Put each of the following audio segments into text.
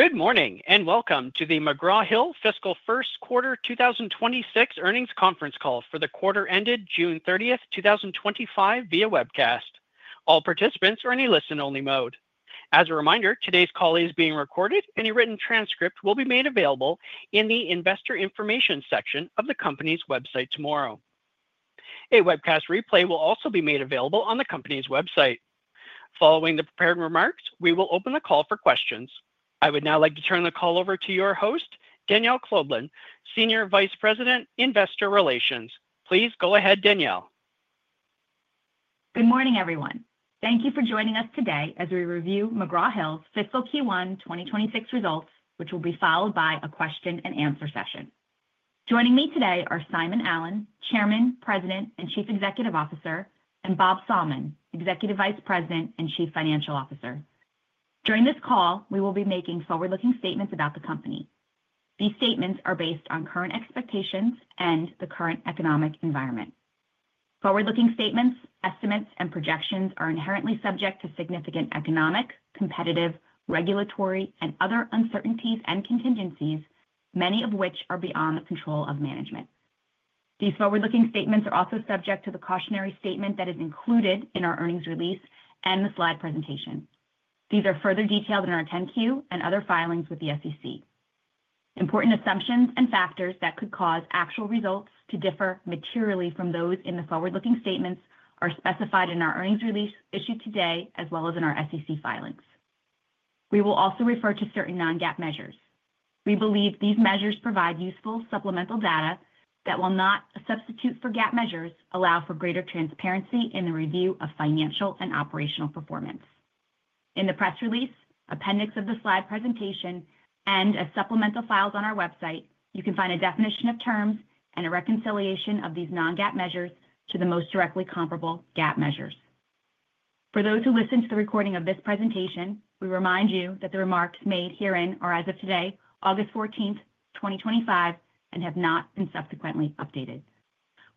Good morning and welcome to the McGraw Hill fiscal first quarter 2026 earnings conference call for the quarter ended June 30th, 2025, via webcast. All participants are in a listen-only mode. As a reminder, today's call is being recorded, and a written transcript will be made available in the Investor Information section of the company's website tomorrow. A webcast replay will also be made available on the company's website. Following the prepared remarks, we will open the call for questions. I would now like to turn the call over to your host, Danielle Kloeblen, Senior Vice President, Investor Relations. Please go ahead, Danielle. Good morning, everyone. Thank you for joining us today as we review McGraw Hill's fiscal Q1 2026 results, which will be followed by a question-and-answer session. Joining me today are Simon Allen, Chairman, President, and Chief Executive Officer, and Bob Sallmann, Executive Vice President and Chief Financial Officer. During this call, we will be making forward-looking statements about the company. These statements are based on current expectations and the current economic environment. Forward-looking statements, estimates, and projections are inherently subject to significant economic, competitive, regulatory, and other uncertainties and contingencies, many of which are beyond the control of management. These forward-looking statements are also subject to the cautionary statement that is included in our earnings release and the slide presentation. These are further detailed in our 10-Q and other filings with the SEC. Important assumptions and factors that could cause actual results to differ materially from those in the forward-looking statements are specified in our earnings release issued today, as well as in our SEC filings. We will also refer to certain non-GAAP measures. We believe these measures provide useful supplemental data that will not, as a substitute for GAAP measures, allow for greater transparency in the review of financial and operational performance. In the press release, appendix of the slide presentation, and as supplemental files on our website, you can find a definition of terms and a reconciliation of these non-GAAP measures to the most directly comparable GAAP measures. For those who listen to the recording of this presentation, we remind you that the remarks made herein are as of today, August 14th, 2025, and have not been subsequently updated.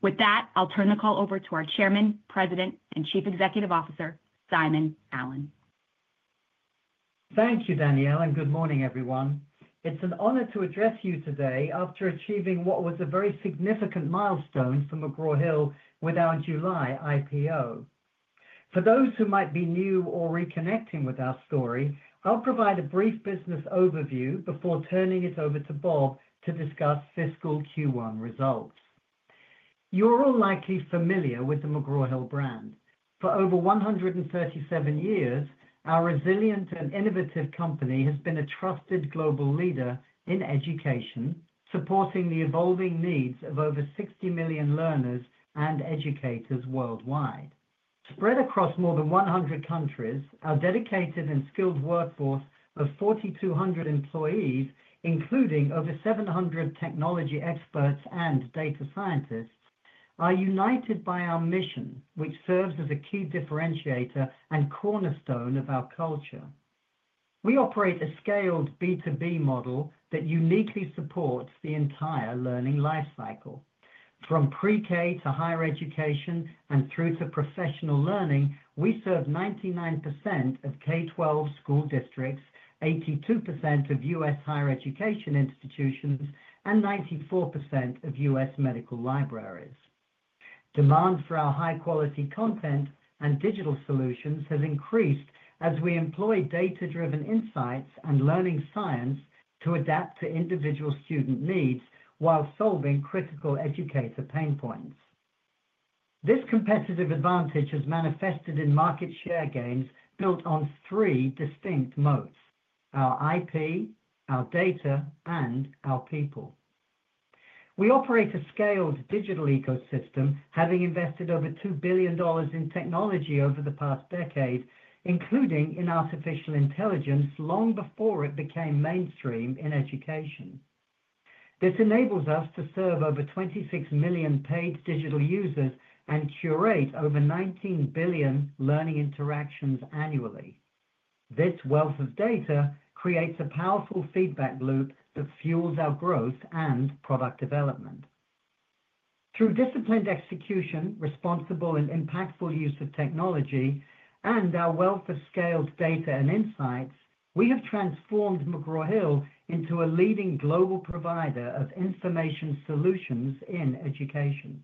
With that, I'll turn the call over to our Chairman, President, and Chief Executive Officer, Simon Allen. Thank you, Danielle, and good morning, everyone. It's an honor to address you today after achieving what was a very significant milestone for McGraw Hill with our July IPO. For those who might be new or reconnecting with our story, I'll provide a brief business overview before turning it over to Bob to discuss fiscal Q1 results. You're all likely familiar with the McGraw Hill brand. For over 137 years, our resilient and innovative company has been a trusted global leader in education, supporting the evolving needs of over 60 million learners and educators worldwide. Spread across more than 100 countries, our dedicated and skilled workforce of 4,200 employees, including over 700 technology experts and data scientists, are united by our mission, which serves as a key differentiator and cornerstone of our culture. We operate a scaled B2B model that uniquely supports the entire learning lifecycle. From pre-K to higher education and through to professional learning, we serve 99% of K-12 school districts, 82% of U.S. higher education institutions, and 94% of U.S. medical libraries. Demand for our high-quality content and digital solutions has increased as we employ data-driven insights and learning science to adapt to individual student needs while solving critical educator pain points. This competitive advantage has manifested in market share gains built on three distinct moats: our IP, our data, and our people. We operate a scaled digital ecosystem, having invested over $2 billion in technology over the past decade, including in artificial intelligence long before it became mainstream in education. This enables us to serve over 26 million paid digital users and curate over 19 billion learning interactions annually. This wealth of data creates a powerful feedback loop that fuels our growth and product development. Through disciplined execution, responsible and impactful use of technology, and our wealth of scaled data and insights, we have transformed McGraw Hill into a leading global provider of information solutions in education.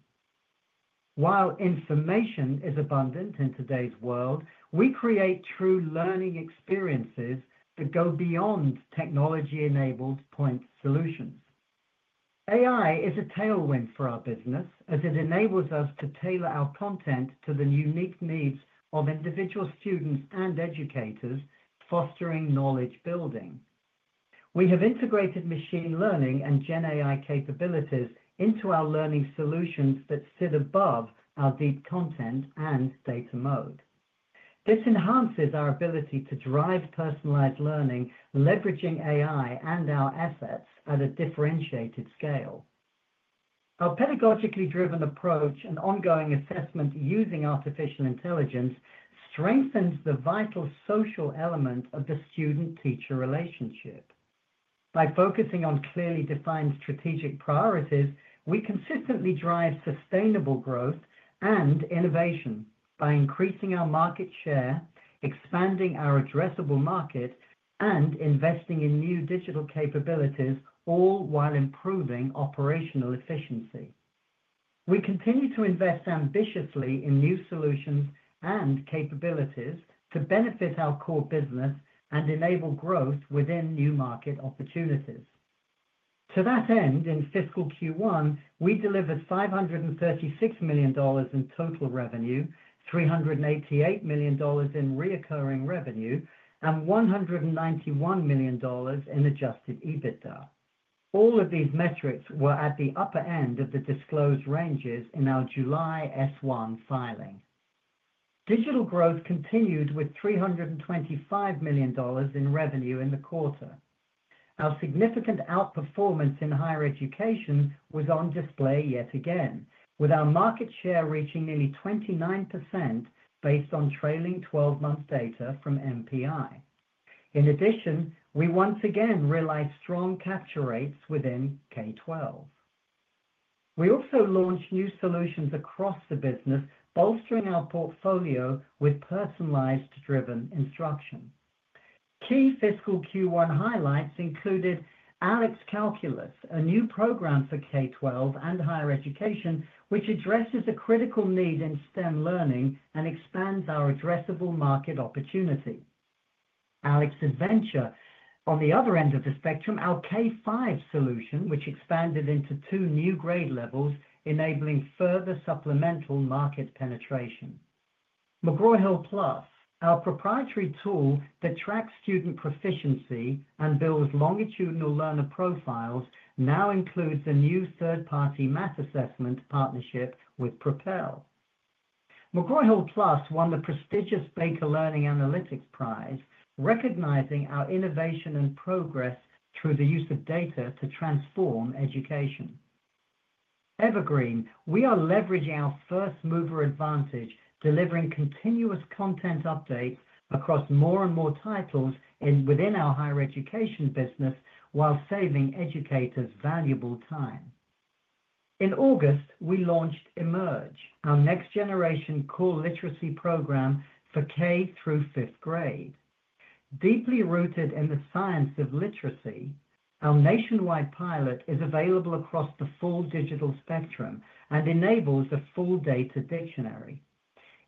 While information is abundant in today's world, we create true learning experiences that go beyond technology-enabled point solutions. AI is a tailwind for our business as it enables us to tailor our content to the unique needs of individual students and educators, fostering knowledge building. We have integrated machine learning and GenAI capabilities into our learning solutions that sit above our deep content and data moat. This enhances our ability to drive personalized learning, leveraging AI and our assets at a differentiated scale. Our pedagogically driven approach and ongoing assessment using artificial intelligence strengthen the vital social element of the student-teacher relationship. By focusing on clearly defined strategic priorities, we consistently drive sustainable growth and innovation by increasing our market share, expanding our addressable market, and investing in new digital capabilities, all while improving operational efficiency. We continue to invest ambitiously in new solutions and capabilities to benefit our core business and enable growth within new market opportunities. To that end, in fiscal Q1, we delivered $536 million in total revenue, $388 million in recurring revenue, and $191 million in adjusted EBITDA. All of these metrics were at the upper end of the disclosed ranges in our July S-1 filing. Digital growth continued with $325 million in revenue in the quarter. Our significant outperformance in higher education was on display yet again, with our market share reaching nearly 29% based on trailing 12-month data from MPI. In addition, we once again realized strong capture rates within K-12. We also launched new solutions across the business, bolstering our portfolio with personalized-driven instruction. Key fiscal Q1 highlights included ALEKS for Calculus, a new program for K-12 and higher education, which addresses a critical need in STEM learning and expands our addressable market opportunity. ALEKS Adventure, on the other end of the spectrum, our K-5 solution, which expanded into two new grade levels, enabling further supplemental market penetration. McGraw Hill Plus, our proprietary tool that tracks student proficiency and builds longitudinal learner profiles, now includes a new third-party math assessment partnership with Propel. McGraw Hill Plus won the prestigious Baker Learning Analytics Prize, recognizing our innovation and progress through the use of data to transform education. Evergreen, we are leveraging our first-mover advantage, delivering continuous content updates across more and more titles within our higher education business while saving educators valuable time. In August, we launched Emerge, our next-generation core literacy program for K through fifth grade. Deeply rooted in the science of literacy, our nationwide pilot is available across the full digital spectrum and enables the full data dictionary.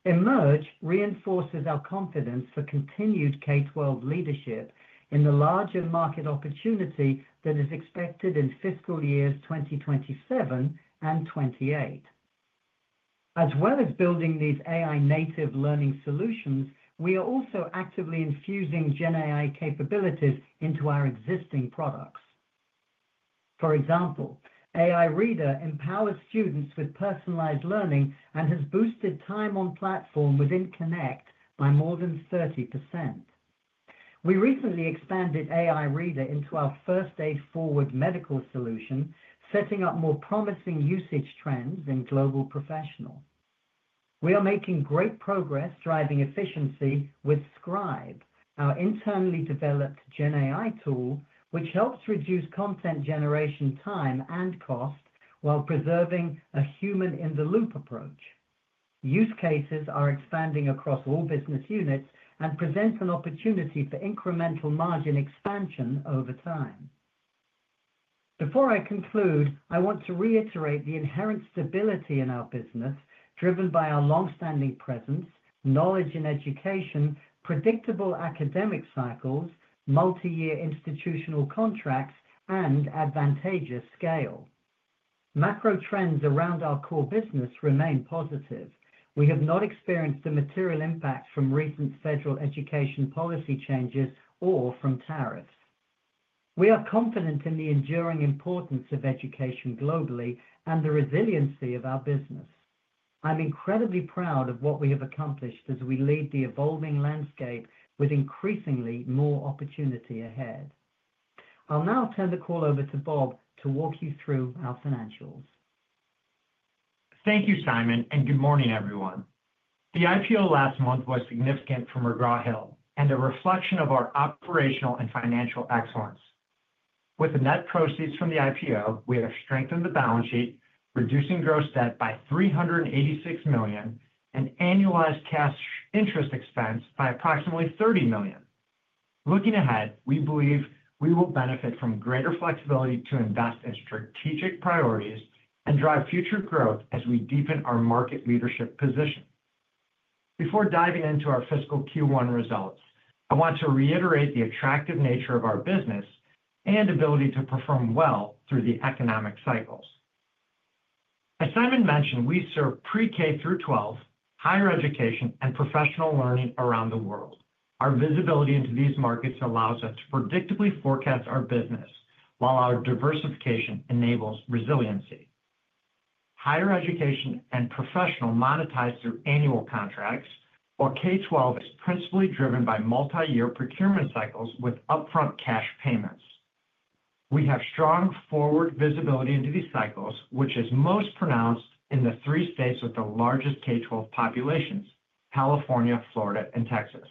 Emerge reinforces our confidence for continued K-12 leadership in the larger market opportunity that is expected in fiscal years 2027 and 2028. As well as building these AI-native learning solutions, we are also actively infusing GenAI capabilities into our existing products. For example, AI Reader empowers students with personalized learning and has boosted time on platform within Connect by more than 30%. We recently expanded AI Reader into our first aid forward medical solution, setting up more promising usage trends in global professionals. We are making great progress driving efficiency with Scribe, our internally developed GenAI tool, which helps reduce content generation time and cost while preserving a human-in-the-loop approach. Use cases are expanding across all business units and present an opportunity for incremental margin expansion over time. Before I conclude, I want to reiterate the inherent stability in our business, driven by our longstanding presence, knowledge in education, predictable academic cycles, multi-year institutional contracts, and advantageous scale. Macro trends around our core business remain positive. We have not experienced a material impact from recent federal education policy changes or from tariffs. We are confident in the enduring importance of education globally and the resiliency of our business. I'm incredibly proud of what we have accomplished as we lead the evolving landscape with increasingly more opportunity ahead. I'll now turn the call over to Bob to walk you through our financials. Thank you, Simon, and good morning, everyone. The IPO last month was significant for McGraw Hill and a reflection of our operational and financial excellence. With the net proceeds from the IPO, we have strengthened the balance sheet, reducing gross debt by $386 million and annualized cash interest expense by approximately $30 million. Looking ahead, we believe we will benefit from greater flexibility to invest in strategic priorities and drive future growth as we deepen our market leadership position. Before diving into our fiscal Q1 results, I want to reiterate the attractive nature of our business and ability to perform well through the economic cycles. As Simon mentioned, we serve pre-K through 12, higher education, and professional learning around the world. Our visibility into these markets allows us to predictably forecast our business, while our diversification enables resiliency. Higher education and professional monetize through annual contracts, while K-12 is principally driven by multi-year procurement cycles with upfront cash payments. We have strong forward visibility into these cycles, which is most pronounced in the three states with the largest K-12 populations: California, Florida, and Texas.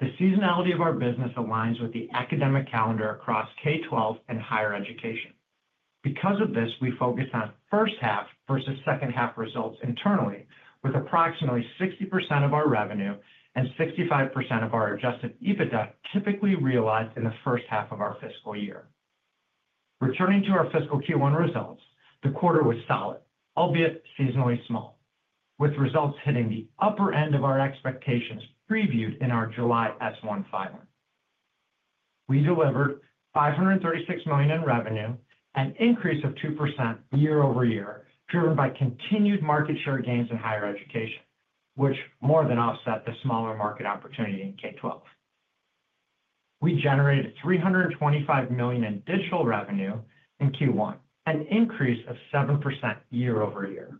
The seasonality of our business aligns with the academic calendar across K-12 and higher education. Because of this, we focus on first half versus second half results internally, with approximately 60% of our revenue and 65% of our adjusted EBITDA typically realized in the first half of our fiscal year. Returning to our fiscal Q1 results, the quarter was solid, albeit seasonally small, with results hitting the upper end of our expectations previewed in our July S-1 filing. We delivered $536 million in revenue, an increase of 2% year-over-year, driven by continued market share gains in higher education, which more than offset the smaller market opportunity in K-12. We generated $325 million in digital revenue in Q1, an increase of 7% year-over-year.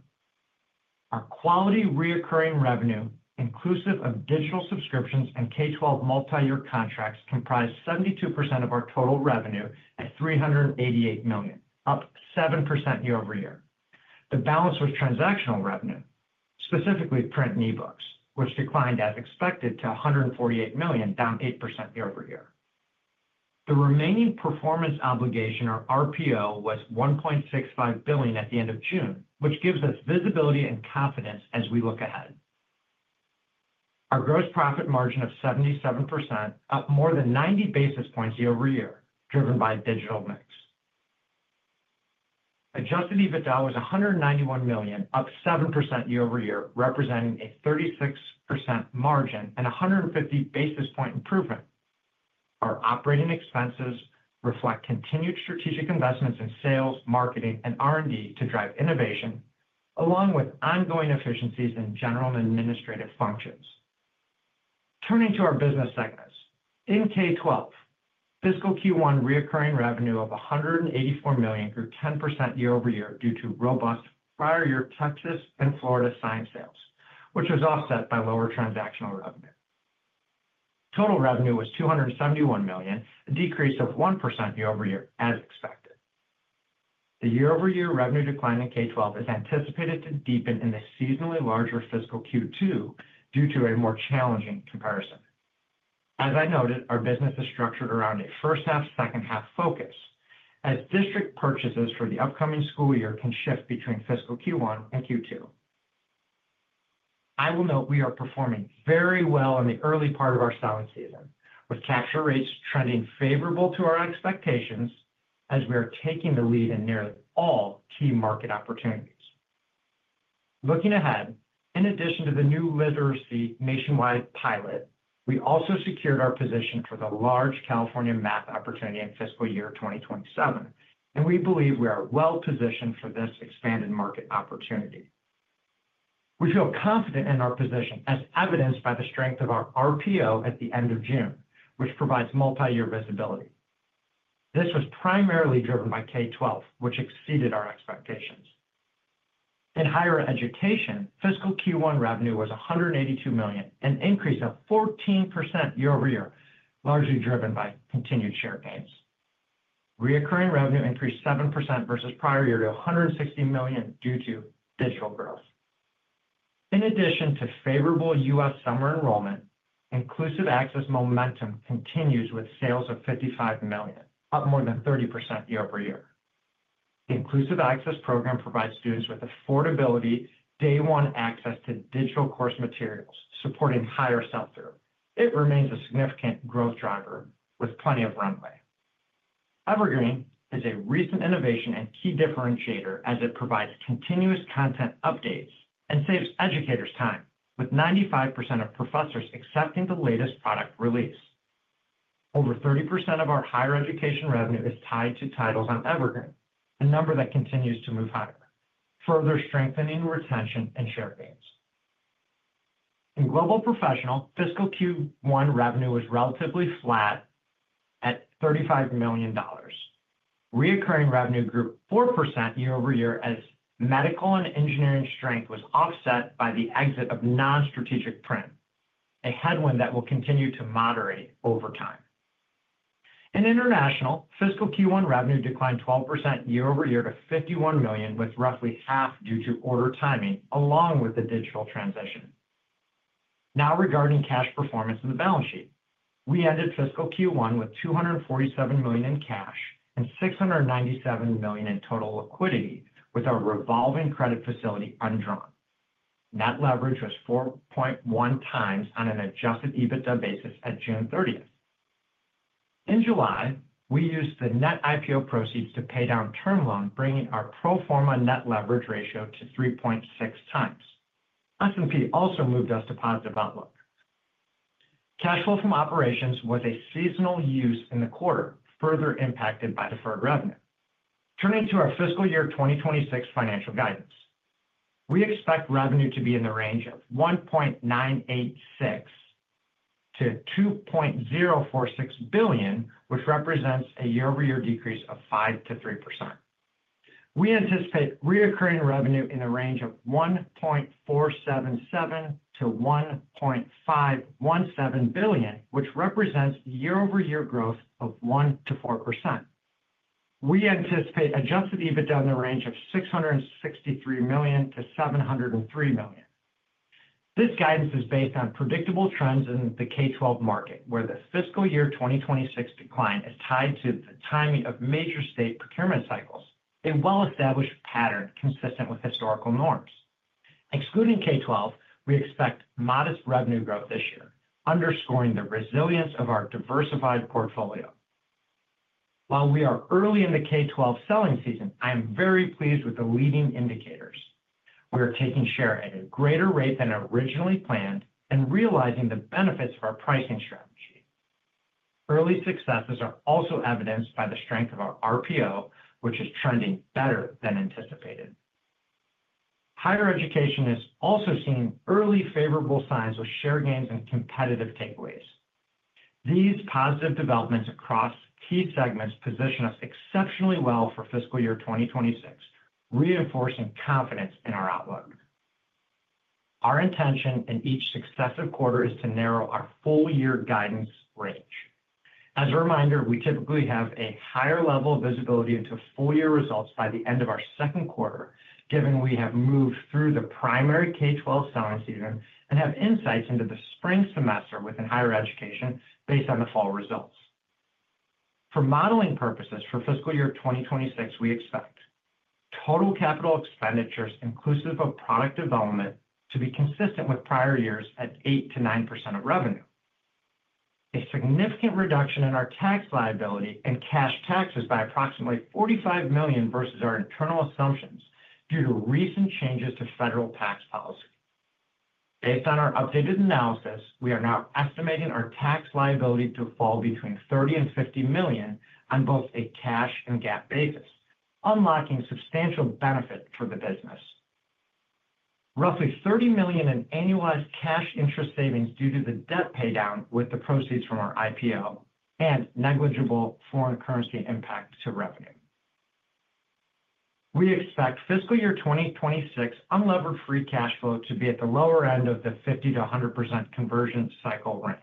Our quality recurring revenue, inclusive of digital subscriptions and K-12 multi-year contracts, comprised 72% of our total revenue at $388 million, up 7% year-over-year. The balance was transactional revenue, specifically print and e-books, which declined as expected to $148 million, down 8% year-over-year. The remaining performance obligation, or RPO, was $1.65 billion at the end of June, which gives us visibility and confidence as we look ahead. Our gross profit margin of 77%, up more than 90 basis points year-over-year, driven by a digital mix. Adjusted EBITDA was $191 million, up 7% year-over-year, representing a 36% margin and a 150 basis point improvement. Our operating expenses reflect continued strategic investments in sales, marketing, and R&D to drive innovation, along with ongoing efficiencies in general and administrative functions. Turning to our business segments, in K-12, fiscal Q1 recurring revenue of $184 million grew 10% year-over-year due to robust prior-year Texas and Florida science sales, which was offset by lower transactional revenue. Total revenue was $271 million, a decrease of 1% year-over-year as expected. The year-over-year revenue decline in K-12 is anticipated to deepen in the seasonally larger fiscal Q2 due to a more challenging comparison. As I noted, our business is structured around a first half, second half focus, as district purchases for the upcoming school year can shift between fiscal Q1 and Q2. I will note we are performing very well in the early part of our selling season, with capture rates trending favorable to our expectations as we are taking the lead in nearly all key market opportunities. Looking ahead, in addition to the new literacy nationwide pilot, we also secured our position for the large California math opportunity in fiscal year 2027, and we believe we are well positioned for this expanded market opportunity. We feel confident in our position, as evidenced by the strength of our RPO at the end of June, which provides multi-year visibility. This was primarily driven by K-12, which exceeded our expectations. In higher education, fiscal Q1 revenue was $182 million, an increase of 14% year-over-year, largely driven by continued share gains. Recurring revenue increased 7% versus prior year to $160 million due to digital growth. In addition to favorable U.S. summer enrollment, Inclusive Access momentum continues with sales of $55 million, up more than 30% year-over-year. The Inclusive Access program provides students with affordability day-one access to digital course materials, supporting higher self-care. It remains a significant growth driver with plenty of runway. Evergreen is a recent innovation and key differentiator as it provides continuous content updates and saves educators time, with 95% of professors accepting the latest product release. Over 30% of our higher education revenue is tied to titles on Evergreen, a number that continues to move higher, further strengthening retention and share gains. In global professional, fiscal Q1 revenue was relatively flat at $35 million. Recurring revenue grew 4% year over year as medical and engineering strength was offset by the exit of non-strategic print, a headwind that will continue to moderate over time. In international, fiscal Q1 revenue declined 12% year-over-year to $51 million, with roughly half due to order timing, along with the digital transition. Now regarding cash performance in the balance sheet, we ended fiscal Q1 with $247 million in cash and $697 million in total liquidity, with our revolving credit facility undrawn. Net leverage was 4.1x on an adjusted EBITDA basis at June 30. In July, we used the net IPO proceeds to pay down term loans, bringing our pro forma net leverage ratio to 3.6x. S&P also moved us to positive outlook. Cash flow from operations was a seasonal use in the quarter, further impacted by deferred revenue. Turning to our fiscal year 2026 financial guidance, we expect revenue to be in the range of $1.986 billion-$2.046 billion, which represents a year-over-year decrease of 5% to 3%. We anticipate recurring revenue in the range of $1.477 billion-$1.517 billion, which represents year-over-year growth of 1%-4%. We anticipate adjusted EBITDA in the range of $663 million-$703 million. This guidance is based on predictable trends in the K-12 market, where the fiscal year 2026 decline is tied to the timing of major state procurement cycles, a well-established pattern consistent with historical norms. Excluding K-12, we expect modest revenue growth this year, underscoring the resilience of our diversified portfolio. While we are early in the K-12 selling season, I am very pleased with the leading indicators. We are taking share at a greater rate than originally planned and realizing the benefits of our pricing strategy. Early successes are also evidenced by the strength of our RPO, which is trending better than anticipated. Higher education is also seeing early favorable signs of share gains and competitive takeaways. These positive developments across key segments position us exceptionally well for fiscal year 2026, reinforcing confidence in our outlook. Our intention in each successive quarter is to narrow our full-year guidance range. As a reminder, we typically have a higher level of visibility into full-year results by the end of our second quarter, given we have moved through the primary K-12 selling season and have insights into the spring semester within higher education based on the fall results. For modeling purposes for fiscal year 2026, we expect total capital expenditures, inclusive of product development, to be consistent with prior years at 8%-9% of revenue. A significant reduction in our tax liability and cash taxes by approximately $45 million versus our internal assumptions due to recent changes to federal tax policy. Based on our updated analysis, we are now estimating our tax liability to fall between $30 million and $50 million on both a cash and GAAP basis, unlocking substantial benefit for the business. Roughly $30 million in annualized cash interest savings due to the debt paydown with the proceeds from our IPO and negligible foreign currency impact to revenue. We expect fiscal year 2026 unlevered free cash flow to be at the lower end of the 50%-100% conversion cycle range.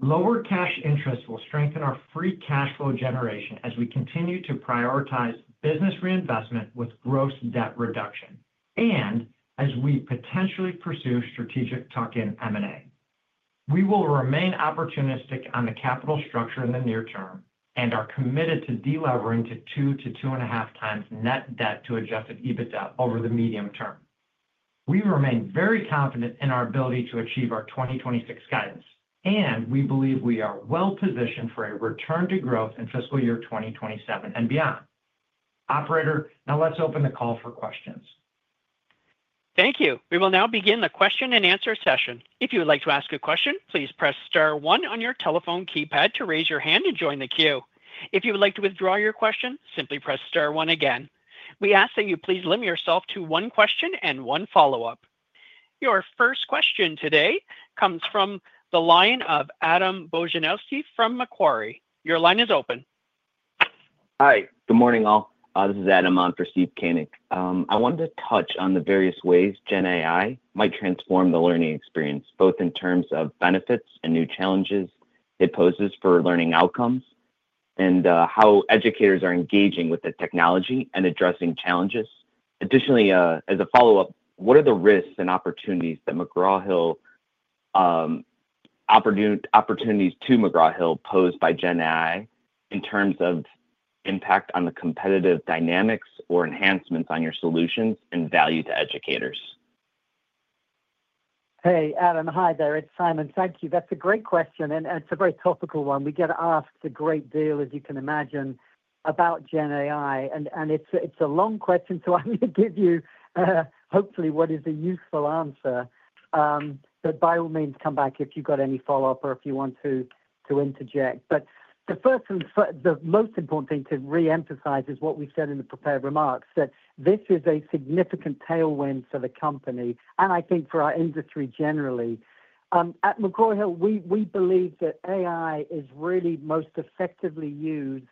Lower cash interest will strengthen our free cash flow generation as we continue to prioritize business reinvestment with gross debt reduction and as we potentially pursue strategic tuck-in M&A. We will remain opportunistic on the capital structure in the near term and are committed to delevering to 2%-2.5% times net debt to adjusted EBITDA over the medium term. We remain very confident in our ability to achieve our 2026 guidance, and we believe we are well positioned for a return to growth in fiscal year 2027 and beyond. Operator, now let's open the call for questions. Thank you. We will now begin the question-and-answer session. If you would like to ask a question, please press star one on your telephone keypad to raise your hand and join the queue. If you would like to withdraw your question, simply press star one again. We ask that you please limit yourself to one question and one follow-up. Your first question today comes from the line of Adam Bojanowski from Macquarie. Your line is open. Hi, good morning all. This is Adam on for Steve Koenig. I wanted to touch on the various ways GenAI might transform the learning experience, both in terms of benefits and new challenges it poses for learning outcomes and how educators are engaging with the technology and addressing challenges. Additionally, as a follow-up, what are the risks and opportunities that McGraw Hill, opportunities to McGraw Hill pose by GenAI in terms of impact on the competitive dynamics or enhancements on your solutions and value to educators? Hey, Adam. Hi there. It's Simon. Thank you. That's a great question, and it's a very topical one. We get asked a great deal, as you can imagine, about GenAI, and it's a long question, so I'm going to give you, hopefully, what is a useful answer. By all means, come back if you've got any follow-up or if you want to interject. The first and the most important thing to reemphasize is what we've said in the prepared remarks, that this is a significant tailwind for the company and I think for our industry generally. At McGraw Hill, we believe that AI is really most effectively used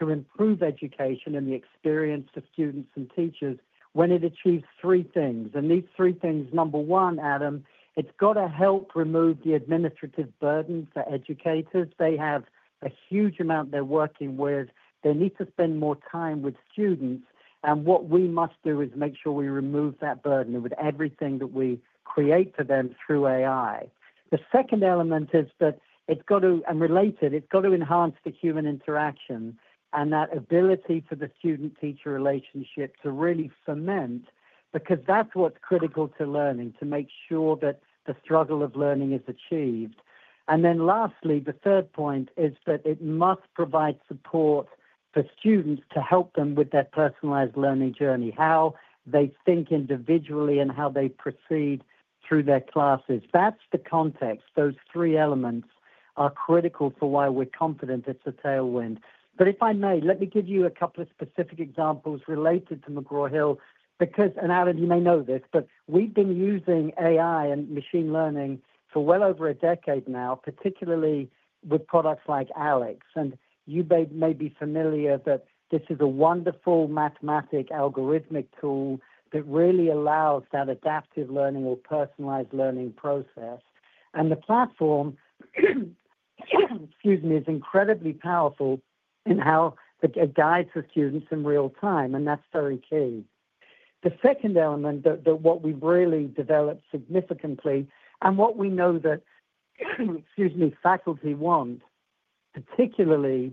to improve education and the experience of students and teachers when it achieves three things. These three things, number one, Adam, it's got to help remove the administrative burden for educators. They have a huge amount they're working with. They need to spend more time with students, and what we must do is make sure we remove that burden with everything that we create for them through AI. The second element is that it's got to, and related, it's got to enhance the human interaction and that ability for the student-teacher relationship to really ferment because that's what's critical to learning, to make sure that the struggle of learning is achieved. Lastly, the third point is that it must provide support for students to help them with their personalized learning journey, how they think individually, and how they proceed through their classes. That's the context. Those three elements are critical for why we're confident it's a tailwind. If I may, let me give you a couple of specific examples related to McGraw Hill because, and Adam, you may know this, we've been using AI and machine learning for well over a decade now, particularly with products like ALEKS. You may be familiar, but this is a wonderful mathematic algorithmic tool that really allows that adaptive learning or personalized learning process. The platform, excuse me, is incredibly powerful in how it guides the students in real time, and that's very key. The second element that what we've really developed significantly and what we know that, excuse me, faculty want, particularly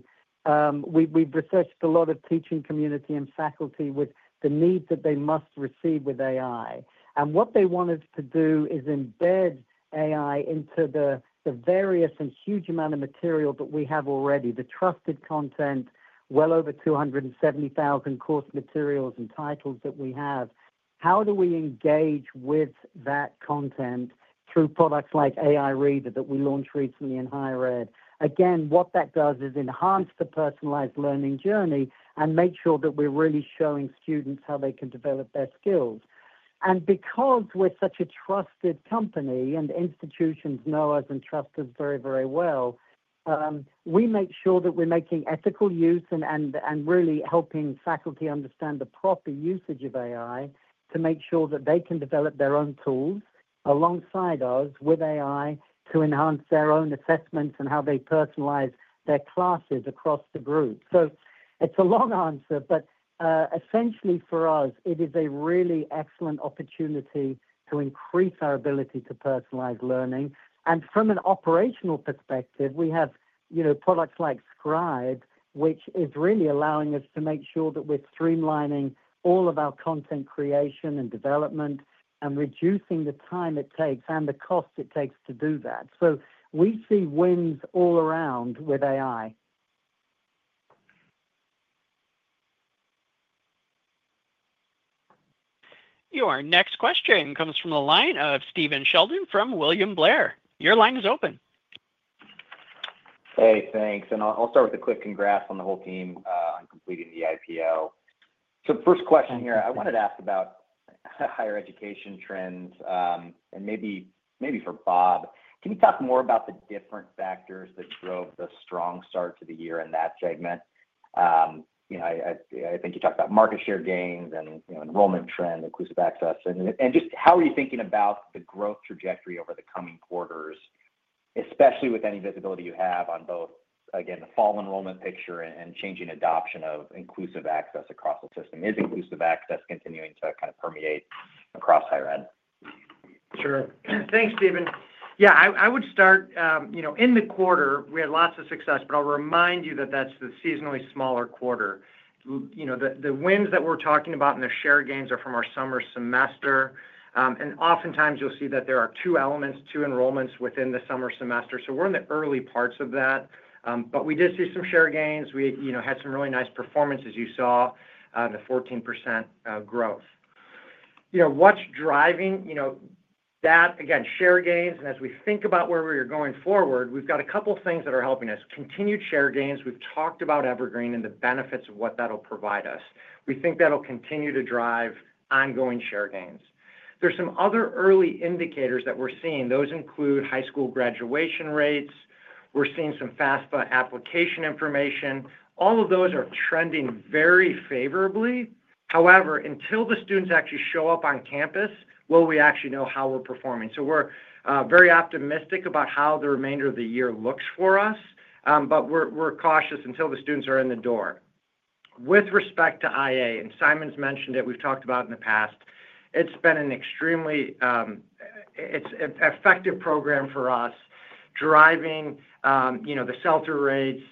we've researched a lot of teaching community and faculty with the need that they must receive with AI. What they wanted to do is embed AI into the various and huge amount of material that we have already, the trusted content, well over 270,000 course materials and titles that we have. How do we engage with that content through products like AI Reader that we launched recently in higher ed? What that does is enhance the personalized learning journey and make sure that we're really showing students how they can develop their skills. Because we're such a trusted company and institutions know us and trust us very, very well, we make sure that we're making ethical use and really helping faculty understand the proper usage of AI to make sure that they can develop their own tools alongside us with AI to enhance their own assessments and how they personalize their classes across the group. It's a long answer, but essentially for us, it is a really excellent opportunity to increase our ability to personalize learning. From an operational perspective, we have products like Scribe, which is really allowing us to make sure that we're streamlining all of our content creation and development and reducing the time it takes and the cost it takes to do that. We see wins all around with AI. Our next question comes from the line of Stephen Sheldon from William Blair. Your line is open. Hey, thanks. I'll start with a quick congrats to the whole team on completing the IPO. First question here, I wanted to ask about higher education trends, and maybe for Bob, can you talk more about the different factors that drove the strong start to the year in that segment? I think you talked about market share gains and enrollment trend, Inclusive Access, and just how are you thinking about the growth trajectory over the coming quarters, especially with any visibility you have on both, again, the fall enrollment picture and changing adoption of Inclusive Access across the system. Is Inclusive Access continuing to kind of permeate across higher ed? Sure. Thanks, Stephen. I would start, in the quarter, we had lots of success, but I'll remind you that that's the seasonally smaller quarter. The wins that we're talking about and the share gains are from our summer semester. Oftentimes, you'll see that there are two elements, two enrollments within the summer semester. We're in the early parts of that. We did see some share gains. We had some really nice performances, as you saw, in the 14% growth. What's driving that, again, share gains. As we think about where we are going forward, we've got a couple of things that are helping us. Continued share gains. We've talked about Evergreen and the benefits of what that'll provide us. We think that'll continue to drive ongoing share gains. There are some other early indicators that we're seeing. Those include high school graduation rates. We're seeing some FAFSA application information. All of those are trending very favorably. However, until the students actually show up on campus, will we actually know how we're performing? We're very optimistic about how the remainder of the year looks for us, but we're cautious until the students are in the door. With respect to Inclusive Access, and Simon's mentioned it, we've talked about it in the past. It's been an extremely effective program for us, driving the shelter rates.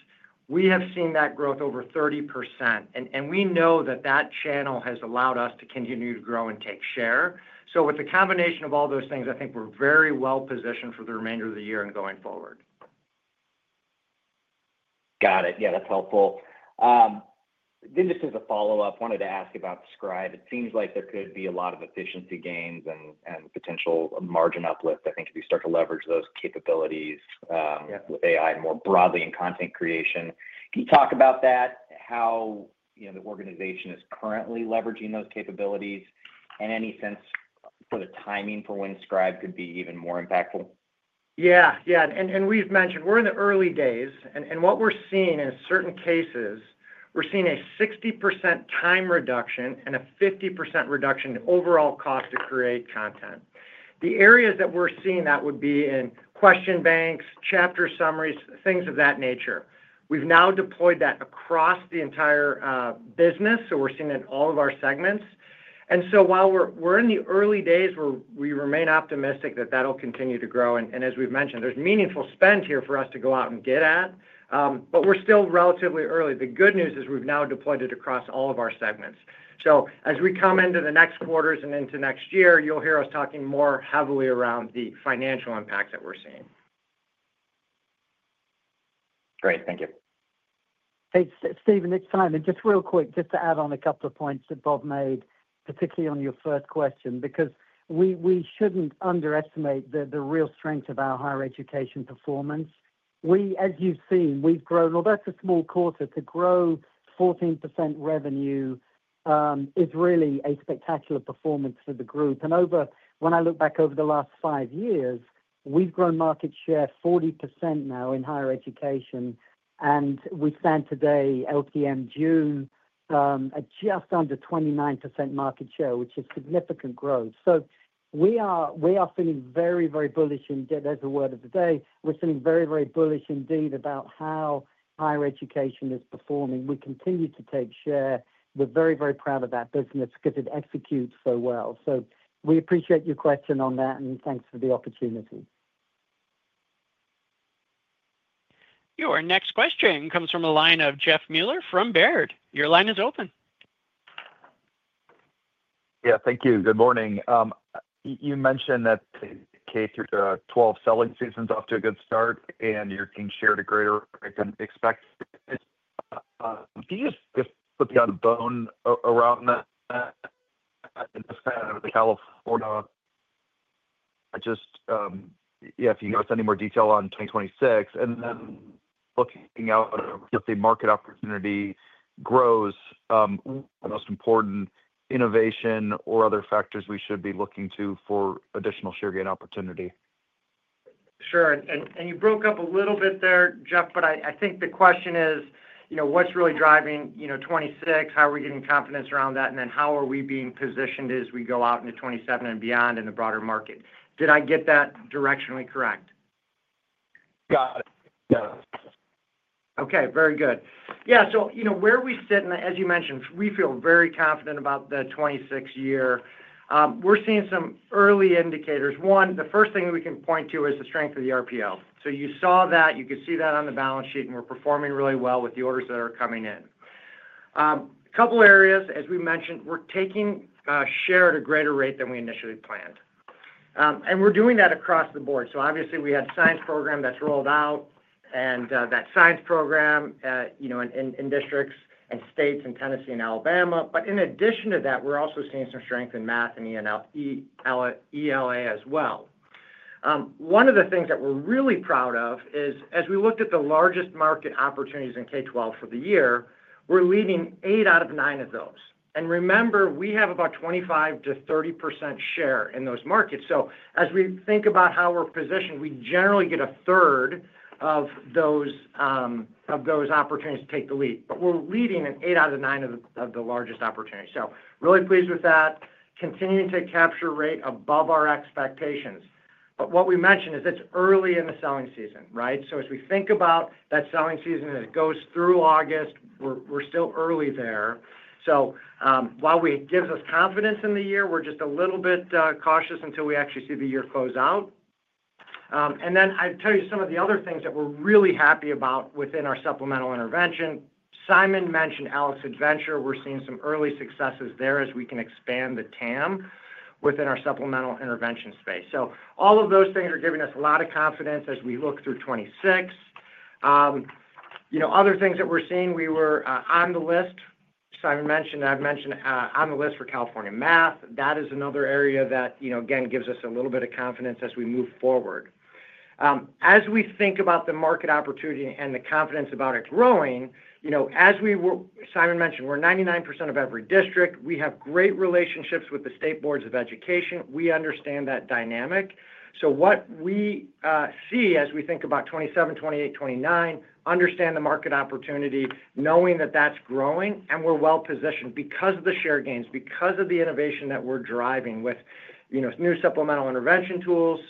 We have seen that growth over 30%. We know that that channel has allowed us to continue to grow and take share. With the combination of all those things, I think we're very well positioned for the remainder of the year and going forward. Got it. Yeah, that's helpful. Just as a follow-up, I wanted to ask you about Scribe. It seems like there could be a lot of efficiency gains and potential margin uplift, I think, if you start to leverage those capabilities with AI more broadly in content creation. Can you talk about that, how the organization is currently leveraging those capabilities, and any sense for the timing for when Scribe could be even more impactful? Yeah, yeah. We've mentioned we're in the early days, and what we're seeing in certain cases is a 60% time reduction and a 50% reduction in overall cost to create content. The areas that we're seeing that would be in question banks, chapter summaries, things of that nature. We've now deployed that across the entire business, so we're seeing it in all of our segments. While we're in the early days, we remain optimistic that that'll continue to grow. As we've mentioned, there's meaningful spend here for us to go out and get at, but we're still relatively early. The good news is we've now deployed it across all of our segments. As we come into the next quarters and into next year, you'll hear us talking more heavily around the financial impacts that we're seeing. Great. Thank you. Hey, Stephen, it's Simon. Just real quick, just to add on a couple of points that Bob made, particularly on your first question, because we shouldn't underestimate the real strength of our higher education performance. As you've seen, we've grown, although it's a small quarter, to grow 14% revenue is really a spectacular performance for the group. When I look back over the last five years, we've grown market share 40% now in higher education. We stand today, LTM due, at just under 29% market share, which is significant growth. We are feeling very, very bullish, and that's the word of the day. We're feeling very, very bullish indeed about how higher education is performing. We continue to take share. We're very, very proud of that business because it executes so well. We appreciate your question on that, and thanks for the opportunity. Our next question comes from a line of Jeff Mueller from Baird. Your line is open. Yeah, thank you. Good morning. You mentioned that K-12 selling season is off to a good start, and you're seeing share to greater expectations. Can you just put the bone around that? This is kind of the California. If you can give us any more detail on 2026 and then looking out if the market opportunity grows, the most important innovation or other factors we should be looking to for additional share gain opportunity. Sure. You broke up a little bit there, Jeff, but I think the question is, you know, what's really driving, you know, 2026? How are we getting confidence around that? How are we being positioned as we go out into 2027 and beyond in the broader market? Did I get that directionally correct? Got it. Okay, very good. Yeah, so you know where we sit in that, as you mentioned, we feel very confident about the 2026 year. We're seeing some early indicators. One, the first thing we can point to is the strength of the RPO. You saw that. You could see that on the balance sheet, and we're performing really well with the orders that are coming in. A couple of areas, as we mentioned, we're taking share at a greater rate than we initially planned, and we're doing that across the board. Obviously, we had a science program that's rolled out, and that science program, in districts and states in Tennessee and Alabama. In addition to that, we're also seeing some strength in math and ELA as well. One of the things that we're really proud of is, as we looked at the largest market opportunities in K-12 for the year, we're leading eight out of nine of those. Remember, we have about 25%-30% share in those markets. As we think about how we're positioned, we generally get a third of those opportunities to take the lead, but we're leading in eight out of nine of the largest opportunities. Really pleased with that, continuing to take capture rate above our expectations. What we mentioned is it's early in the selling season, right? As we think about that selling season as it goes through August, we're still early there. While it gives us confidence in the year, we're just a little bit cautious until we actually see the year close out. I'd tell you some of the other things that we're really happy about within our supplemental intervention. Simon mentioned ALEKS Adventure. We're seeing some early successes there as we can expand the TAM within our supplemental intervention space. All of those things are giving us a lot of confidence as we look through 2026. Other things that we're seeing, we were on the list. Simon mentioned, I've mentioned on the list for California math. That is another area that, again, gives us a little bit of confidence as we move forward. As we think about the market opportunity and the confidence about it growing, as we were, Simon mentioned, we're 99% of every district. We have great relationships with the state boards of education. We understand that dynamic. What we see as we think about 2027, 2028, 2029, understand the market opportunity, knowing that that's growing, and we're well positioned because of the share gains, because of the innovation that we're driving with new supplemental intervention tools.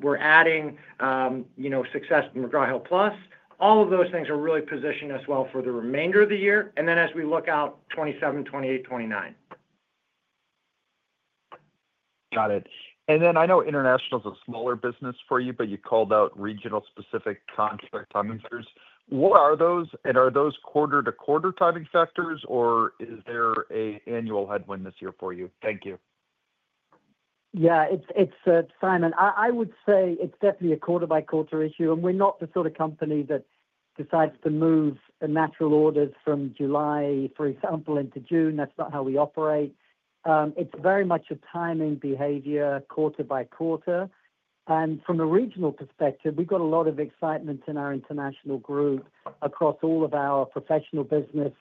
We're adding success McGraw Hill Plus. All of those things are really positioning us well for the remainder of the year as we look out 2027, 2028, 2029. Got it. I know international is a smaller business for you, but you called out regional-specific conflict timing factors. What are those, and are those quarter-to-quarter timing factors, or is there an annual headwind this year for you? Thank you. Yeah, it's Simon. I would say it's definitely a quarter-by-quarter issue, and we're not the sort of company that decides to move a natural order from July, for example, into June. That's not how we operate. It's very much a timing behavior, quarter by quarter. From a regional perspective, we've got a lot of excitement in our international group across all of our professional business,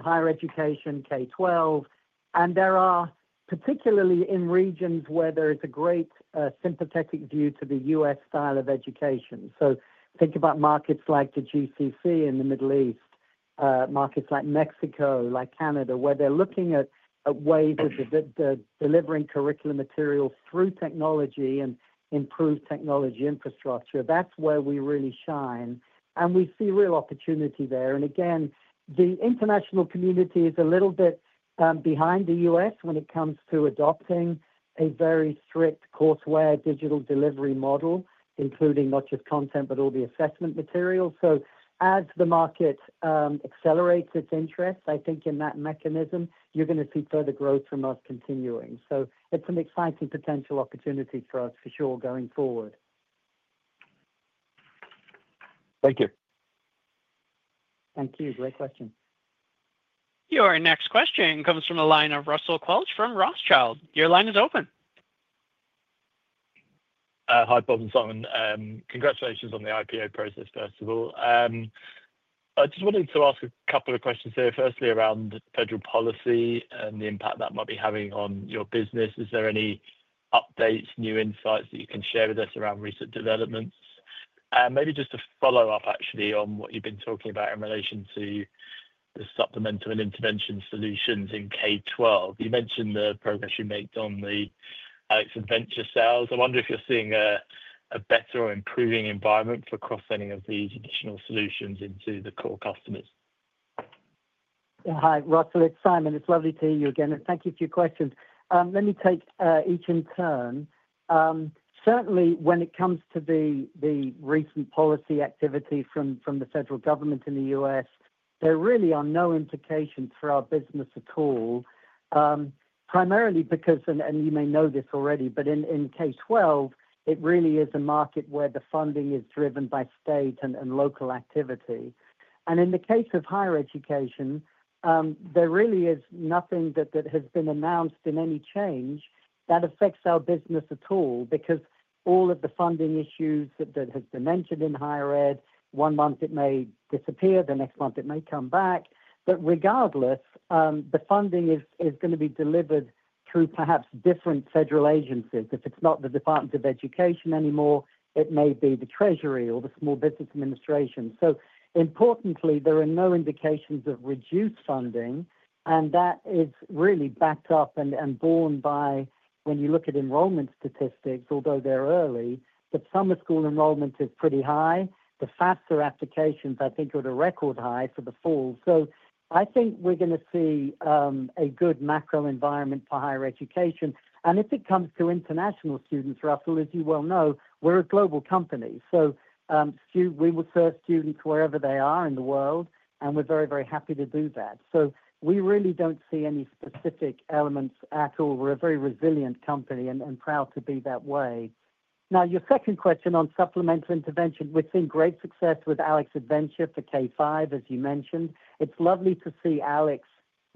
higher education, K-12. There are particularly in regions where there is a great sympathetic view to the U.S. style of education. Think about markets like the GCC in the Middle East, markets like Mexico, like Canada, where they're looking at ways of delivering curriculum material through technology and improved technology infrastructure. That's where we really shine. We see real opportunity there. The international community is a little bit behind the U.S. when it comes to adopting a very strict courseware digital delivery model, including not just content, but all the assessment materials. As the market accelerates its interest, I think in that mechanism, you're going to see further growth from us continuing. It's an exciting potential opportunity for us, for sure, going forward. Thank you. Thank you. Great question. Your next question comes from a line of Russell Quelch from Rothschild. Your line is open. Hi, Bob and Simon. Congratulations on the IPO process, first of all. I just wanted to ask a couple of questions here, firstly around federal policy and the impact that might be having on your business. Is there any updates, new insights that you can share with us around recent developments? Maybe just a follow-up, actually, on what you've been talking about in relation to the supplemental and intervention solutions in K-12. You mentioned the progress you made on the ALEKS Adventure sales. I wonder if you're seeing a better or improving environment for cross-selling of these additional solutions into the core customers. Yeah, hi, Russell. It's Simon. It's lovely to hear you again. Thank you for your questions. Let me take each in turn. Certainly, when it comes to the recent policy activity from the federal government in the U.S., there really are no implications for our business at all, primarily because, and you may know this already, in K-12, it really is a market where the funding is driven by state and local activity. In the case of higher education, there really is nothing that has been announced in any change that affects our business at all because all of the funding issues that have been mentioned in higher ed, one month it may disappear, the next month it may come back. Regardless, the funding is going to be delivered through perhaps different federal agencies. If it's not the Department of Education anymore, it may be the Treasury or the Small Business Administration. Importantly, there are no indications of reduced funding, and that is really backed up and borne by when you look at enrollment statistics, although they're early, but summer school enrollment is pretty high. The FAFSA applications, I think, are the record high for the fall. I think we're going to see a good macro environment for higher education. If it comes to international students, Russell, as you well know, we're a global company. We will serve students wherever they are in the world, and we're very, very happy to do that. We really don't see any specific elements at all. We're a very resilient company and proud to be that way. Now, your second question on supplemental intervention, we've seen great success with ALEKS Adventure for K-5, as you mentioned. It's lovely to see ALEKS,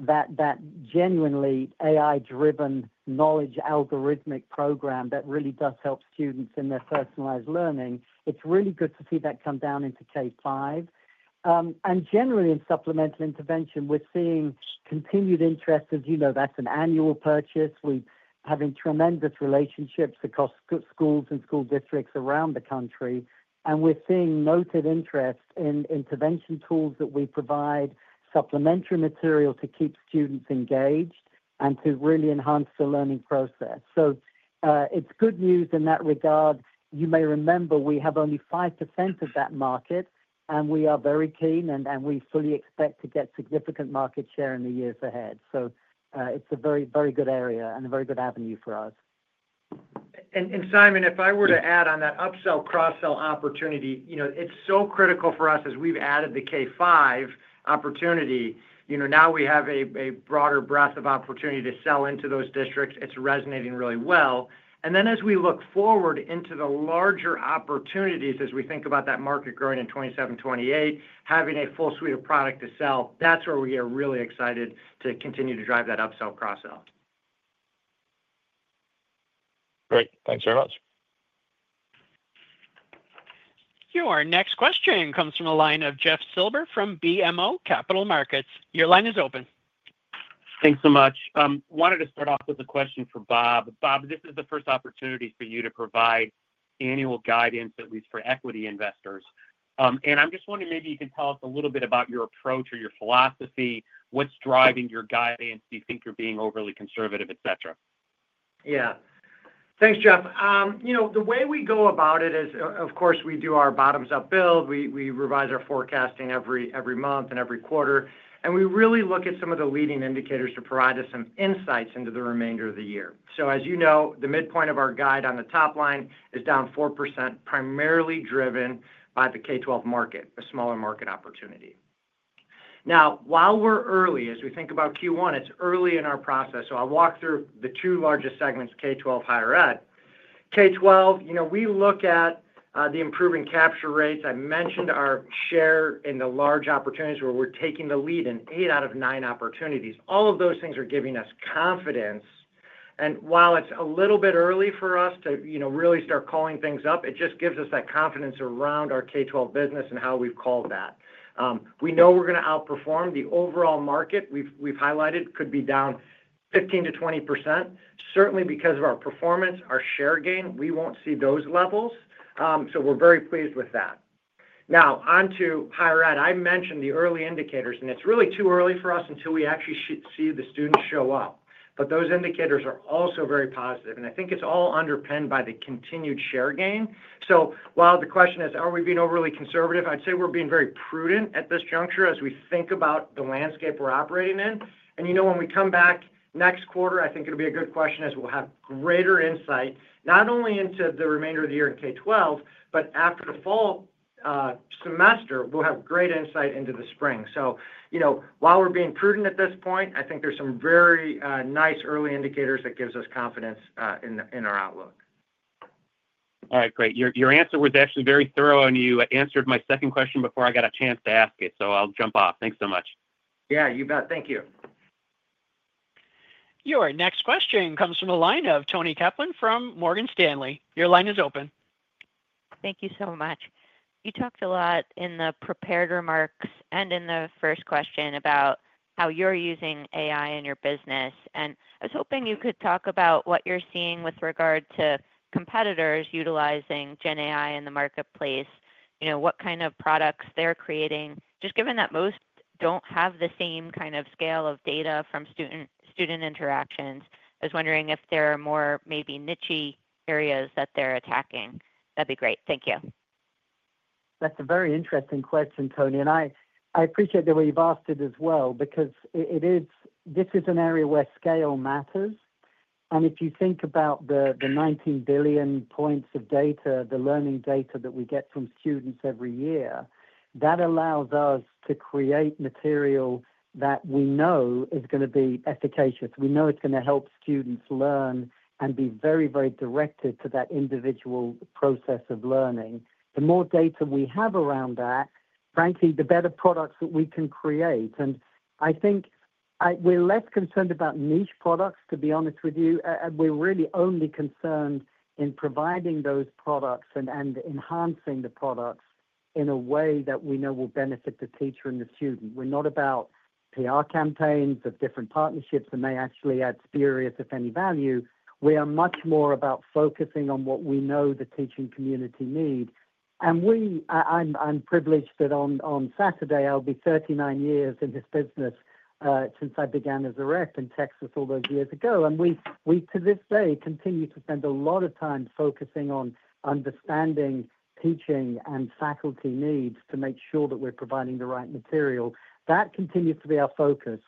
that genuinely AI-driven knowledge algorithmic program that really does help students in their personalized learning. It's really good to see that come down into K-5. Generally, in supplemental intervention, we're seeing continued interest. As you know, that's an annual purchase. We're having tremendous relationships across schools and school districts around the country. We're seeing noted interest in intervention tools that we provide, supplementary material to keep students engaged and to really enhance the learning process. It's good news in that regard. You may remember we have only 5% of that market, and we are very keen, and we fully expect to get significant market share in the years ahead. It's a very, very good area and a very good avenue for us. Simon, if I were to add on that upsell cross-sell opportunity, it's so critical for us as we've added the K-5 opportunity. Now we have a broader breadth of opportunity to sell into those districts. It's resonating really well. As we look forward into the larger opportunities, as we think about that market growing in 2027, 2028, having a full suite of product to sell, that's where we get really excited to continue to drive that upsell cross-sell. Great, thanks very much. Our next question comes from a line of Jeff Silber from BMO Capital Markets. Your line is open. Thanks so much. I wanted to start off with a question for Bob. Bob, this is the first opportunity for you to provide annual guidance, at least for equity investors. I'm just wondering maybe you can tell us a little bit about your approach or your philosophy. What's driving your guidance? Do you think you're being overly conservative, et cetera? Yeah. Thanks, Jeff. The way we go about it is, of course, we do our bottoms-up build. We revise our forecasting every month and every quarter. We really look at some of the leading indicators to provide us some insights into the remainder of the year. As you know, the midpoint of our guide on the top line is down 4%, primarily driven by the K-12 market, a smaller market opportunity. While we're early, as we think about Q1, it's early in our process. I'll walk through the two largest segments: K-12 and higher ed. K-12, we look at the improving capture rates. I mentioned our share in the large opportunities where we're taking the lead in eight out of nine opportunities. All of those things are giving us confidence. While it's a little bit early for us to really start calling things up, it just gives us that confidence around our K-12 business and how we've called that. We know we're going to outperform the overall market. We've highlighted it could be down 15%20%. Certainly, because of our performance, our share gain, we won't see those levels. We're very pleased with that. Now, onto higher ed. I mentioned the early indicators, and it's really too early for us until we actually see the students show up. Those indicators are also very positive. I think it's all underpinned by the continued share gain. While the question is, are we being overly conservative? I'd say we're being very prudent at this juncture as we think about the landscape we're operating in. When we come back next quarter, I think it'll be a good question as we'll have greater insight, not only into the remainder of the year in K-12, but after the fall semester, we'll have great insight into the spring. While we're being prudent at this point, I think there's some very nice early indicators that give us confidence in our outlook. All right, great. Your answer was actually very thorough, and you answered my second question before I got a chance to ask it. I'll jump off. Thanks so much. Yeah, you bet. Thank you. Your next question comes from a line of Toni Kaplan from Morgan Stanley. Your line is open. Thank you so much. You talked a lot in the prepared remarks and in the first question about how you're using AI in your business. I was hoping you could talk about what you're seeing with regard to competitors utilizing GenAI in the marketplace, what kind of products they're creating, just given that most don't have the same kind of scale of data from student-student interactions. I was wondering if there are more maybe niche areas that they're attacking. That'd be great. Thank you. That's a very interesting question, Toni. I appreciate the way you've asked it as well because this is an area where scale matters. If you think about the 19 billion points of data, the learning data that we get from students every year, that allows us to create material that we know is going to be efficacious. We know it's going to help students learn and be very, very directed to that individual process of learning. The more data we have around that, frankly, the better products that we can create. I think we're less concerned about niche products, to be honest with you. We're really only concerned in providing those products and enhancing the products in a way that we know will benefit the teacher and the student. We're not about PR campaigns of different partnerships that may actually add spurious, if any, value. We are much more about focusing on what we know the teaching community needs. I'm privileged that on Saturday, I'll be 39 years in this business since I began as a rep in Texas all those years ago. We, to this day, continue to spend a lot of time focusing on understanding teaching and faculty needs to make sure that we're providing the right material. That continues to be our focus.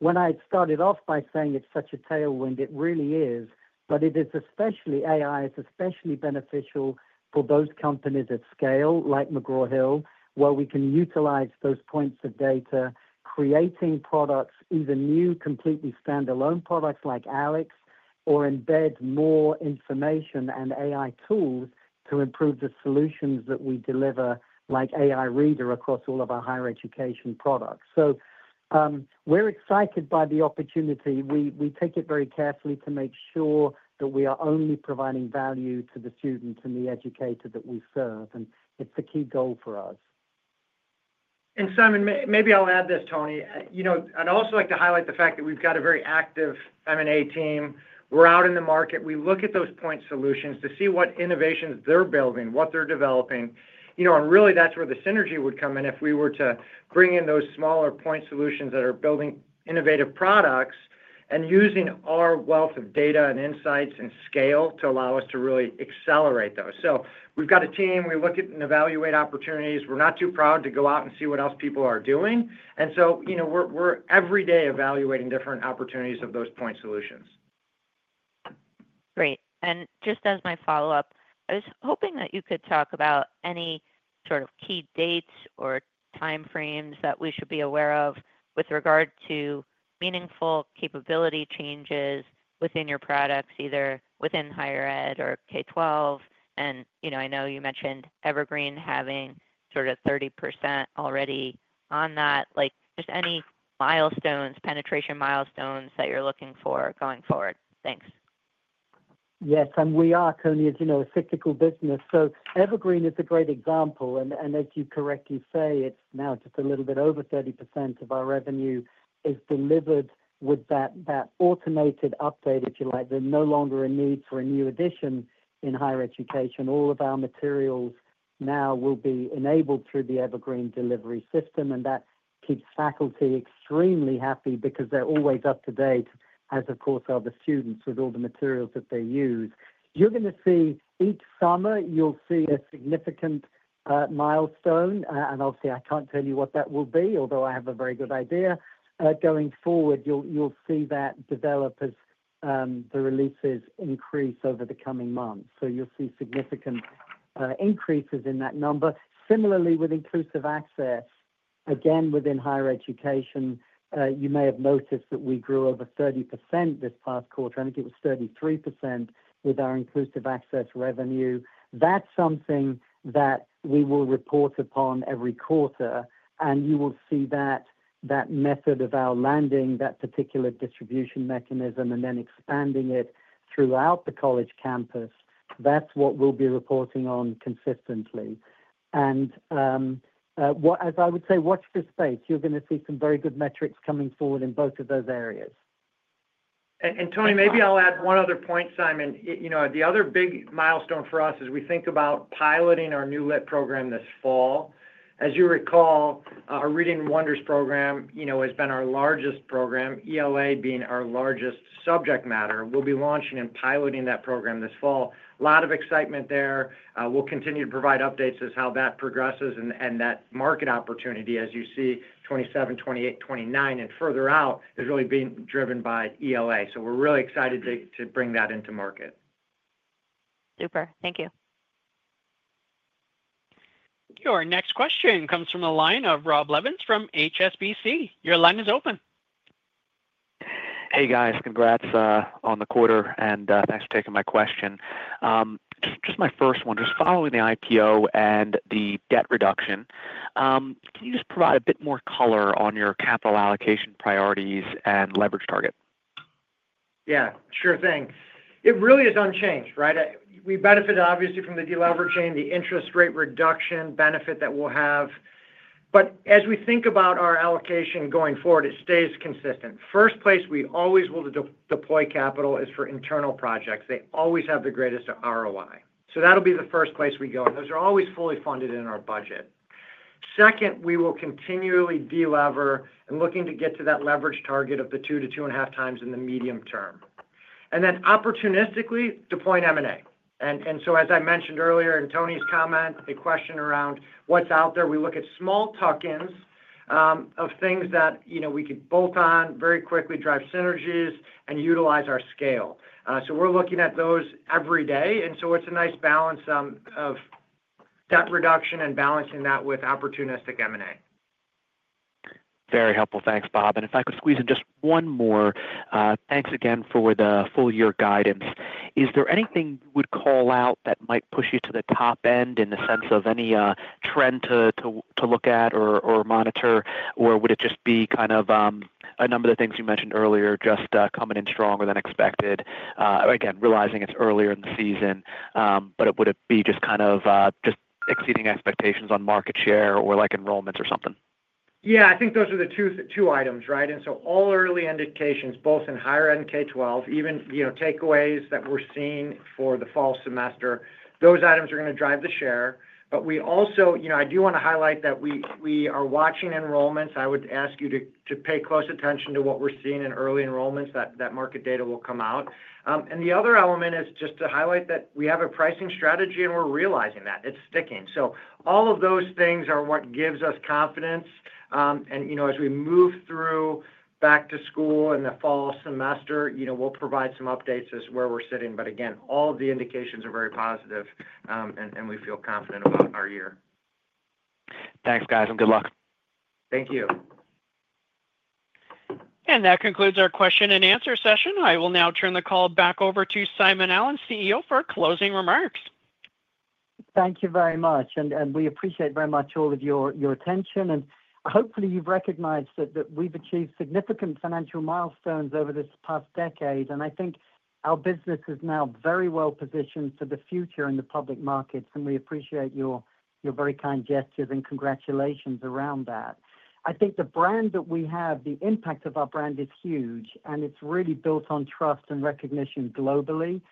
When I started off by saying it's such a tailwind, it really is, especially AI. It's especially beneficial for those companies at scale like McGraw Hill, where we can utilize those points of data, creating products, either new completely standalone products like ALEKS, or embed more information and AI tools to improve the solutions that we deliver like AI Reader across all of our higher education products. We're excited by the opportunity. We take it very carefully to make sure that we are only providing value to the student and the educator that we serve. It's a key goal for us. Simon, maybe I'll add this, Toni. I'd also like to highlight the fact that we've got a very active M&A team. We're out in the market. We look at those point solutions to see what innovations they're building, what they're developing. That's where the synergy would come in if we were to bring in those smaller point solutions that are building innovative products and using our wealth of data and insights and scale to allow us to really accelerate those. We've got a team. We look at and evaluate opportunities. We're not too proud to go out and see what else people are doing. We're every day evaluating different opportunities of those point solutions. Great. Just as my follow-up, I was hoping that you could talk about any sort of key dates or timeframes that we should be aware of with regard to meaningful capability changes within your products, either within higher ed or K-12. I know you mentioned Evergreen having sort of 30% already on that. Any milestones, penetration milestones that you're looking for going forward. Thanks. Yes. We are, Toni, as you know, a cyclical business. Evergreen is a great example. As you correctly say, it's now just a little bit over 30% of our revenue is delivered with that automated update, if you like. There's no longer a need for a new edition in higher education. All of our materials now will be enabled through the Evergreen delivery system. That keeps faculty extremely happy because they're always up to date, as, of course, are the students with all the materials that they use. Each summer, you'll see a significant milestone. Obviously, I can't tell you what that will be, although I have a very good idea. Going forward, you'll see that developers, the releases increase over the coming months. You'll see significant increases in that number. Similarly, with Inclusive Access, again, within higher education, you may have noticed that we grew over 30% this past quarter. I think it was 33% with our Inclusive Access revenue. That's something that we will report upon every quarter. You will see that method of our landing, that particular distribution mechanism, and then expanding it throughout the college campus. That's what we'll be reporting on consistently. As I would say, watch this space. You're going to see some very good metrics coming forward in both of those areas. Toni, maybe I'll add one other point, Simon. The other big milestone for us is we think about piloting our new LIT program this fall. As you recall, our Reading Wonders program has been our largest program, ELA being our largest subject matter. We'll be launching and piloting that program this fall. A lot of excitement there. We'll continue to provide updates as how that progresses and that market opportunity, as you see, 2027, 2028, 2029, and further out, is really being driven by ELA. We're really excited to bring that into market. Super. Thank you. Our next question comes from a line of Rob Levins from HSBC. Your line is open. Hey guys, congrats on the quarter and thanks for taking my question. Just my first one, just following the IPO and the debt reduction, can you just provide a bit more color on your capital allocation priorities and leverage target? Yeah, sure thing. It really is unchanged, right? We benefited obviously from the deleveraging, the interest rate reduction benefit that we'll have. As we think about our allocation going forward, it stays consistent. First place we always will deploy capital is for internal projects. They always have the greatest ROI. That'll be the first place we go, and those are always fully funded in our budget. Second, we will continually delever and look to get to that leverage target of the 2x-2.5 in the medium term. Opportunistically, deploying M&A. As I mentioned earlier in Toni's comment, a question around what's out there, we look at small tuck-ins of things that, you know, we could bolt on, very quickly drive synergies, and utilize our scale. We're looking at those every day. It's a nice balance of debt reduction and balancing that with opportunistic M&A. Very helpful. Thanks, Bob. If I could squeeze in just one more, thanks again for the full year guidance. Is there anything you would call out that might push you to the top end in the sense of any trend to look at or monitor, or would it just be a number of the things you mentioned earlier, just coming in stronger than expected? Again, realizing it's earlier in the season, would it be just exceeding expectations on market share or like enrollments or something? Yeah, I think those are the two items, right? All early indications, both in higher ed and K-12, even takeaways that we're seeing for the fall semester, those items are going to drive the share. I do want to highlight that we are watching enrollments. I would ask you to pay close attention to what we're seeing in early enrollments, that market data will come out. The other element is just to highlight that we have a pricing strategy and we're realizing that. It's sticking. All of those things are what gives us confidence. As we move through back to school in the fall semester, we'll provide some updates as to where we're sitting. Again, all of the indications are very positive and we feel confident about our year. Thanks, guys, and good luck. Thank you. That concludes our question-and-answer session. I will now turn the call back over to Simon Allen, CEO, for closing remarks. Thank you very much. We appreciate very much all of your attention. Hopefully, you've recognized that we've achieved significant financial milestones over this past decade. I think our business is now very well positioned for the future in the public markets. We appreciate your very kind gestures and congratulations around that. I think the brand that we have, the impact of our brand is huge. It's really built on trust and recognition globally.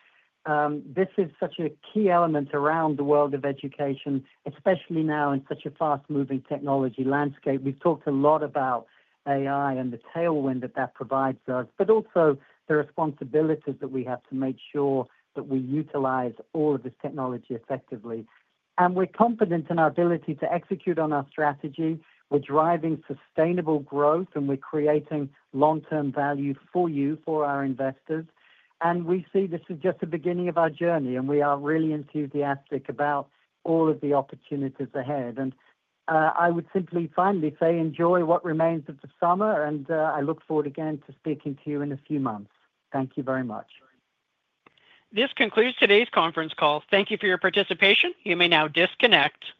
This is such a key element around the world of education, especially now in such a fast-moving technology landscape. We've talked a lot about AI and the tailwind that that provides us, but also the responsibilities that we have to make sure that we utilize all of this technology effectively. We're confident in our ability to execute on our strategy. We're driving sustainable growth, and we're creating long-term value for you, for our investors. We see this is just the beginning of our journey, and we are really enthusiastic about all of the opportunities ahead. I would simply finally say enjoy what remains of the summer, and I look forward again to speaking to you in a few months. Thank you very much. This concludes today's conference call. Thank you for your participation. You may now disconnect.